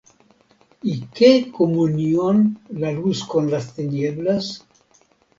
¿y qué comunión la luz con las tinieblas?